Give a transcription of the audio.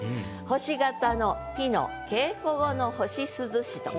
「星形のピノ稽古後の星涼し」と。